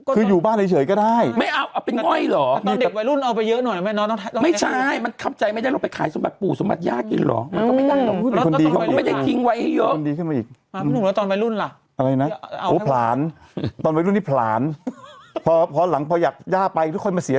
คุณไม่ใช่คุณสารัสนะคุณคุณสาระแน่